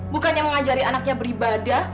bukannya mengajari anaknya beribadah